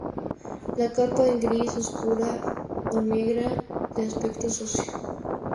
La capa es gris oscura o negra, de aspecto sucio.